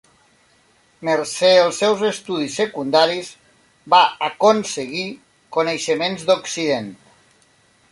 Mercè els seus estudis secundaris va aconseguir coneixements d'Occident.